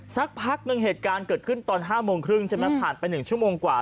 สักพักหนึ่งเหตุการณ์เกิดขึ้นตอน๕โมงครึ่งใช่ไหมผ่านไป๑ชั่วโมงกว่า